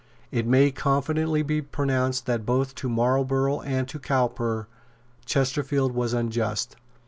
It may confidently be pronounced that both to Marlborough and to Cowper Chesterfield was unjust.